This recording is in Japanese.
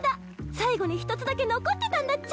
最後に一つだけ残ってたんだっちゃ